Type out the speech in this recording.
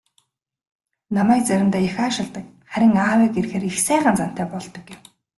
"Намайг заримдаа их аашилдаг, харин аавыг ирэхээр их сайхан зантай болдог" гэв.